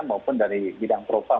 maupun dari bidang propam